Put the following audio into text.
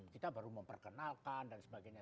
kita baru memperkenalkan dan sebagainya